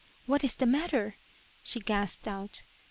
What is the matter ?" she gasped out.